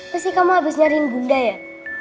pasti kamu habis nyariin bunda ya